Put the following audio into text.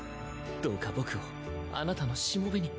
「どうか僕をあなたのしもべに。